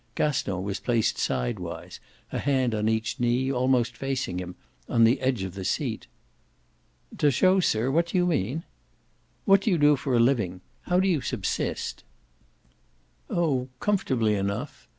Gaston was placed sidewise, a hand on each knee, almost facing him, on the edge of the seat. "To show, sir what do you mean?" "What do you do for a living? How do you subsist?" "Oh comfortably enough.